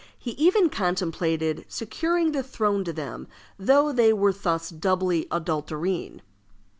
He even contemplated securing the throne to them, though they were thus doubly adulterine.